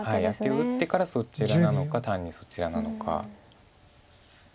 アテを打ってからそちらなのか単にそちらなのか。